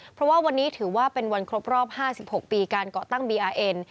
เพราะว่าวันนี้ถือว่าเป็นวันครบรอบห้าสิบหกปีการเกาะตั้งบีเอียน